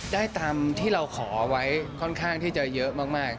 ได้ตามที่เราขอไว้ค่อนข้างที่จะเยอะมาก